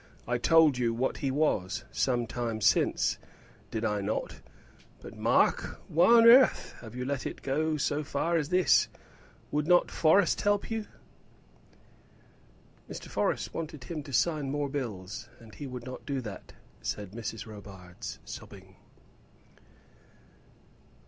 I told you what he was, some time since; did I not? But, Mark, why on earth have you let it go so far as this? Would not Forrest help you?" "Mr. Forrest wanted him to sign more bills, and he would not do that," said Mrs. Robarts, sobbing.